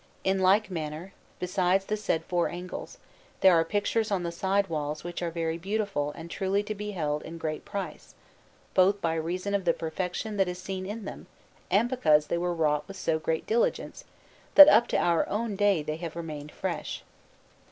In like manner, besides the said four angles, there are pictures on the side walls which are very beautiful and truly to be held in great price, both by reason of the perfection that is seen in them and because they were wrought with so great diligence that up to our own day they have remained fresh.